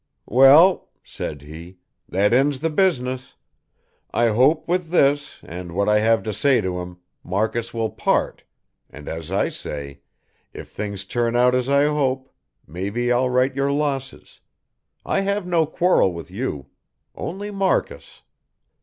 "Well," said he, "that ends the business. I hope, with this, and what I have to say to him, Marcus will part, and as I say, if things turn out as I hope, maybe I'll right your losses I have no quarrel with you only Marcus."